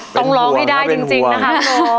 ต้องร้องที่ได้จริงนะคะคุณโอ